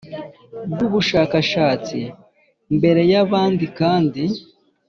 rw ubushakashatsi mbere y abandi kandi